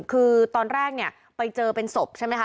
คือตอนแรกเนี่ยไปเจอเป็นศพใช่ไหมคะ